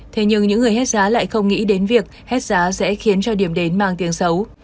thế nhưng những người hết giá lại không nghĩ đến việc hết giá sẽ khiến cho điểm đến mang tiếng xấu